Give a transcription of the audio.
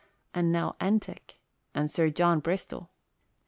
and Nell Entick, and Sir John Bristol.